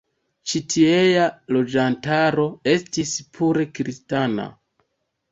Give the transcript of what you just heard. Ĉi tiea loĝantaro estis pure kristana.